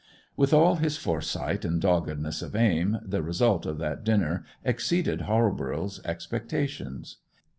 With all his foresight and doggedness of aim, the result of that dinner exceeded Halborough's expectations.